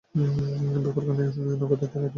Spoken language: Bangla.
ব্যাপারখানা এইঃ নগদ টাকা ফেলার দরকার।